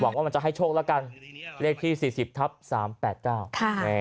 ว่ามันจะให้โชคละกันเลขที่สี่สิบทับสามแปดเก้าค่ะ